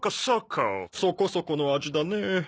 そこそこの味だね。